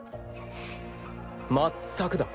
まったくだ。